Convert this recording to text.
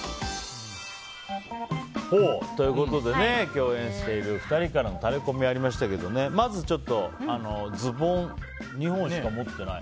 共演している２人からのタレコミがありましたけどまずズボン２本しか持ってない。